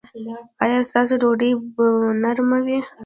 ایا ستاسو ډوډۍ به نرمه وي؟